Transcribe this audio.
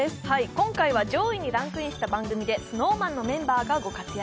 今回は上位にランクインした番組でＳｎｏｗＭａｎのメンバーが活躍。